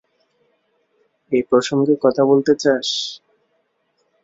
এই প্রসঙ্গে কথা বলতে চাস?